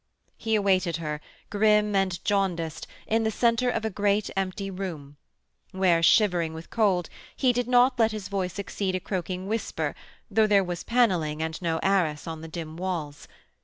He awaited her, grim and jaundiced, in the centre of a great, empty room, where, shivering with cold, he did not let his voice exceed a croaking whisper though there was panelling and no arras on the dim walls.